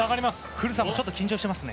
古田さんもちょっと緊張してますね。